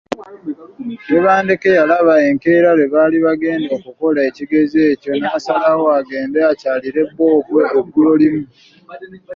Tebandeke yalaba enkeera lwe baali bagenda okukola ekigezo ekyo n’asalawo agende akyalire Bob eggulolimu.